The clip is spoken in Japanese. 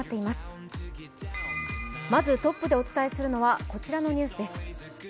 まずトップでお伝えするのはこちらのニュースです。